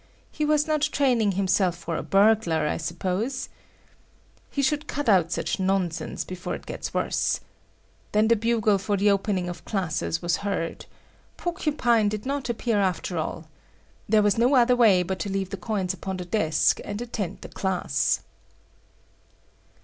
He was not training himself for a burglar, I suppose. He should cut out such nonsense before it gets worse. Then the bugle for the opening of classes was heard. Porcupine did not appear after all. There was no other way but to leave the coins upon the desk and attend the class.